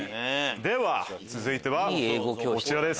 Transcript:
では続いてはこちらです。